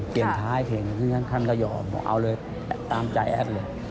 เปลี่ยนท้ายเพลงขึ้นขั้นกระหย่อบอกเอาเลยตามใจแอดเลย